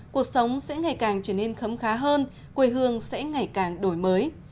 cuộc sống sẽ ngày càng trở nên khấm khá hơn quê hương sẽ ngày càng đổi mới